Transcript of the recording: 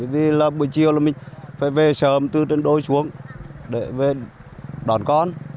vì là buổi chiều mình phải về sớm từ trên đôi xuống để đón con